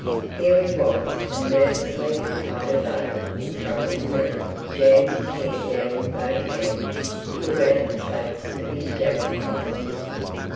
Here he was! And nervously he tied a bow in front of the mirror, jammed his hair down with both hands, pulled out the flaps of his jacket pockets.